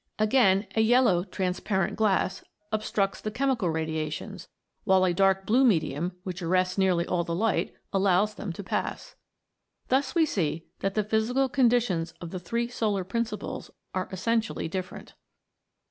Again, a yellow transparent glass obstructs the chemical radiations, while a dark blue medium, which arrests nearly all the light, allows them to pass. Thus we see that the physical conditions of the three solar principles are essentially different.